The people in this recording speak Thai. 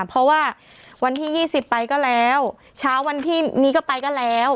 เพราะว่าวันที่๒๐ไปก็แล้วเช้าวันที่นี้ก็ไปก็แล้ว